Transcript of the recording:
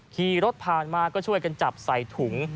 ขี่รถผ่านมาก็ช่วยกันจับใส่ถุง